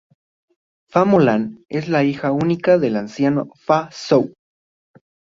Fa Mulan es la hija única del anciano Fa Zhou.